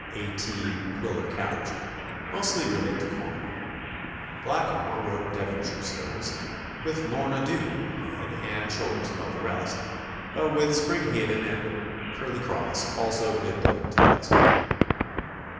(A. T. Quiller Couch), mostly relate to Cornwall. Blackmore wrote Devonshire stories, with "Lorna Doone" head and shoulders above the rest, but with "Springhaven" and "Perleycross" also good Devon tales.